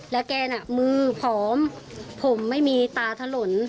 และแกนมือพร้อมผมไม่มีตาถล่น